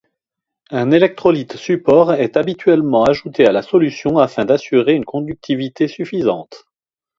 Un électrolyte support est habituellement ajouté à la solution afin d'assurer une conductivité suffisante.